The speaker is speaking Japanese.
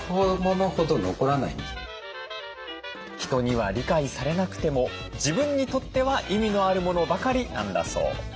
人には理解されなくても自分にとっては意味のあるものばかりなんだそう。